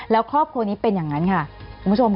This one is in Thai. แล้วครอบครัวนี้เป็นอย่างนั้นค่ะคุณผู้ชม